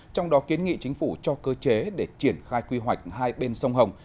trong đó kiến nghị chính phủ cho cơ chế để triển khai quy hoạch hai bên sông hồng